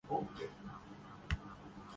گھستا ہے جبیں خاک پہ دریا مرے آگے